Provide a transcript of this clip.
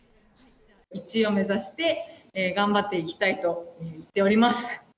１位を目指して頑張っていきたいと言っております。